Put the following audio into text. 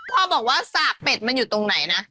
พ่อบอกว่าสากเป็ดมันอยู่ตรงไหนนะ